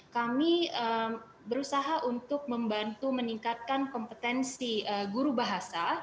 kami berusaha untuk membantu meningkatkan kompetensi guru bahasa